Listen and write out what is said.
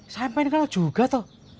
saya pengen ngeliat lo juga toh